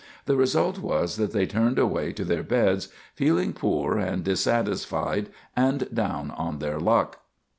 The result was that they turned away to their beds, feeling poor and dissatisfied, and down on their luck.